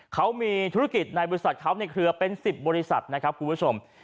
เขามีธุรกิจในบริษัทเขาในเครือเป็น๑๐บริษัทนะครับคุณผู้ชม